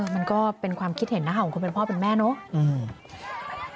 มันก็เป็นความคิดเห็นนะคะของคนเป็นพ่อเป็นแม่เนาะ